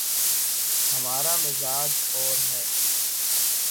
ہمارامزاج اور ہے۔